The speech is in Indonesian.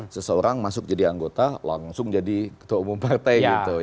seseorang masuk jadi anggota langsung jadi ketua umum partai gitu